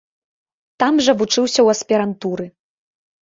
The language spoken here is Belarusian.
Там жа вучыўся ў аспірантуры.